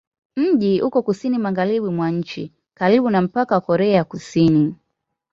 Mji uko kusini-magharibi mwa nchi, karibu na mpaka na Korea ya Kusini.